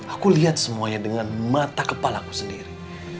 aku lihat semuanya dengan mata kepala ku sendiri